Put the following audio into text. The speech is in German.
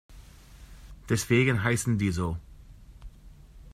Deswegen heißen die so.